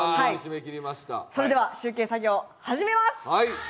それでは集計作業始めます！